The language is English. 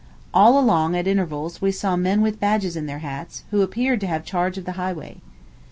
All along, at intervals, we saw men with badges on their hats, who appeared to have charge of the highway.